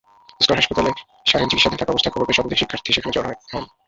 Square হাসপাতালে শাহীন চিকিৎসাধীন থাকা অবস্থায় খবর পেয়ে শতাধিক শিক্ষার্থী সেখানে জড়ো হন।